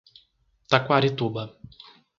Taquarituba